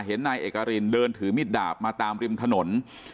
นายเอกรินเดินถือมิดดาบมาตามริมถนน